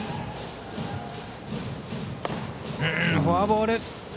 フォアボール。